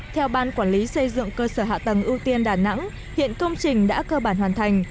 theo ban quản lý xây dựng cơ sở hạ tầng ưu tiên đà nẵng hiện công trình đã cơ bản hoàn thành